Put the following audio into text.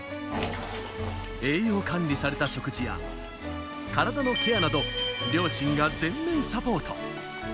栄養を管理された食事や体のケアなど両親が全面サポート。